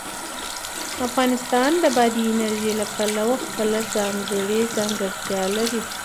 افغانستان د بادي انرژي له پلوه خپله ځانګړې ځانګړتیا لري.